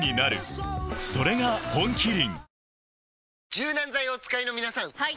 柔軟剤をお使いの皆さんはい！